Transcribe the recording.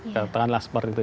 katakanlah seperti itu